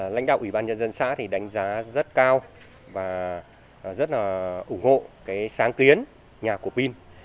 lãnh đạo ủy ban nhân dân xã đánh giá rất cao và rất ủng hộ sáng kiến nhà cổ pin